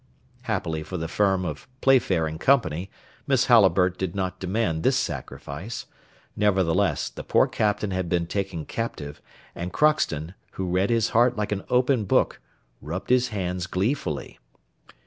Happily for the firm of Playfair & Co., Miss Halliburtt did not demand this sacrifice; nevertheless, the poor Captain had been taken captive, and Crockston, who read his heart like an open book, rubbed his hands gleefully.